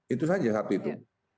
itu saja satu itu